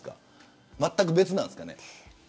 まったく別なんですかね。